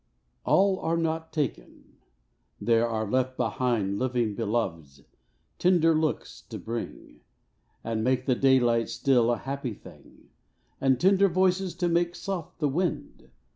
A LL are not taken ! there are left behind Living Beloveds, tender looks to bring, And make the daylight still a happy thing, And tender voices, to make soft the wind.